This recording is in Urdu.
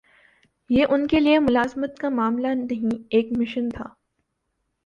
یہ ان کے لیے ملازمت کا معاملہ نہیں، ایک مشن تھا۔